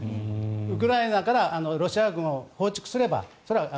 ウクライナからロシア軍を放逐すれば。